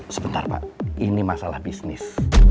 sebentar pak ini masalah bisnis